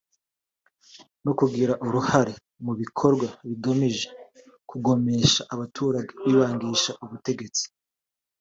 no kugira uruhare mu bikorwa bigamije kugomesha abaturage bibangisha ubutegetsi